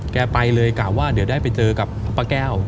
ไปเลยกะว่าเดี๋ยวได้ไปเจอกับป้าแก้ว